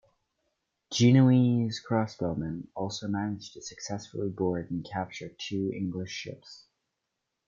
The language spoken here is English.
Genoese crossbowmen also managed to successfully board and capture two English ships.